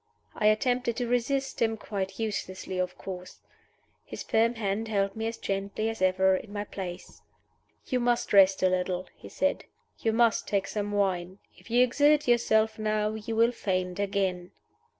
I attempted to resist him quite uselessly, of course. His firm hand held me as gently as ever in my place. "You must rest a little," he said. "You must take some wine. If you exert yourself now you will faint again."